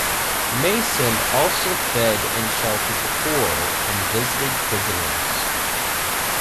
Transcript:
Mason also fed and sheltered the poor, and visited prisoners.